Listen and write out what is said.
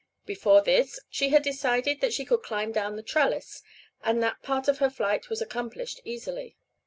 Before this she had decided that she could climb down the trellis, and that part of her flight she accomplished easily.